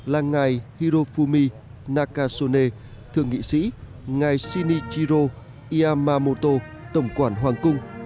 là ngài hirofumi nakasone thượng nghị sĩ ngài shinichiro yamamoto tổng quản hoàng cung